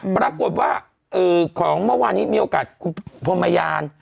ปรากฏว่าของเมื่อวานนี้มีโอกาสคุณพรมยาน